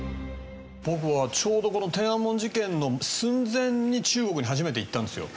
僕はちょうどこの天安門事件の寸前に中国に初めて行ったんですよ。